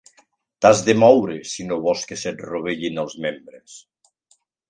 T'has de moure si no vols que se't rovellin els membres.